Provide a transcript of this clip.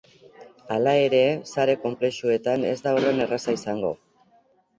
Hala ere, sare konplexuetan ez da horren erraza izango.